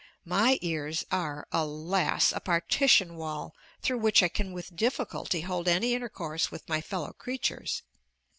My ears are, alas! a partition wall, through which I can with difficulty hold any intercourse with my fellow creatures.